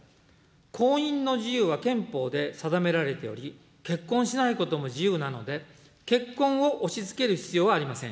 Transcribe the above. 婚姻の自由は憲法で定められており、結婚しないことも自由なので、結婚を押しつける必要はありません。